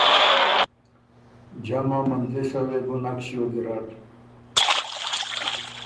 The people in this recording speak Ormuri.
جمه مندلِسه وې بو نک ݭیوک ګیرډ۔